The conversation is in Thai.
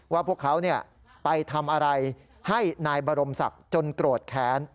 ว่าพวกเขาไปทำอะไรให้นายบรมศักดิ์จนโกรธแค้น